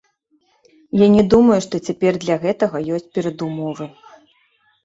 Я не думаю, што цяпер для гэтага ёсць перадумовы.